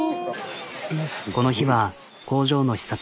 この日は工場の視察。